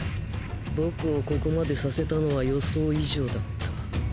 僕をここまでさせたのは予想以上だった。